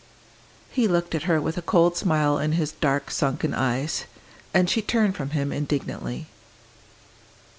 He looked at her with a cold smile in his dark, sunken eyes, and she turned from him indignantly.